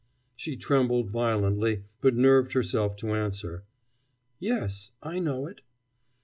She trembled violently, but nerved herself to answer: "Yes, I know it."